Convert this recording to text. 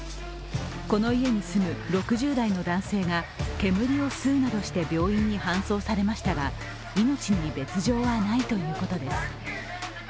この家に住む６０代の男性が煙を吸うなどして病院に搬送されましたが命に別状はないということです。